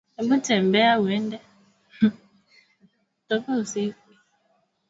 viazi lishe pia vinaweza kuvunwa kwa mkono